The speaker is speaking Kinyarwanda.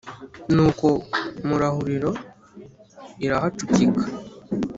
Nuko Mu ruharuriro irahacukika,